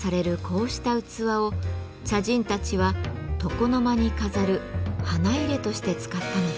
こうした器を茶人たちは床の間に飾る花入として使ったのです。